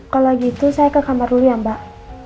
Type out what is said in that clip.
kalau gitu saya ke kamar dulu ya mbak